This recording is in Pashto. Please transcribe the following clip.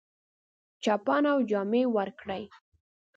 چپنه او جامې ورکړې.